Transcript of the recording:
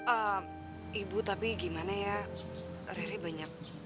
eh ibu tapi gimana ya rari banyak